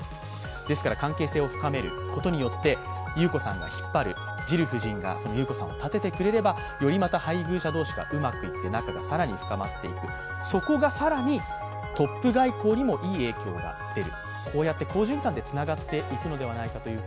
ですから関係性を深めることによって裕子さんが引っ張る、ジル夫人が裕子さんを立ててくれれば配偶者同士がうまくいって更に仲が深まっていくそこが更にトップ外交にもいい影響が出る。